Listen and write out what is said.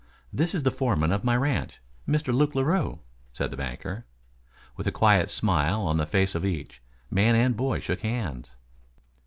This is the foreman of my ranch, Mr. Luke Larue," said the banker. With a quiet smile on the face of each, man and boy shook hands.